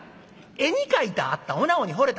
絵に描いてあったおなごに惚れた？